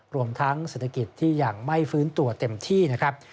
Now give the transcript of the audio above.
รวมทั้งเศรษฐกิจที่ยังไม่ฟื้นตัวเต็มที่นะครับ